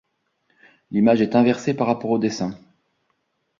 L'image est inversée par rapport au dessin.